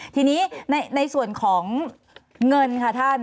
ทีนี้ในส่วนของเงินค่ะท่าน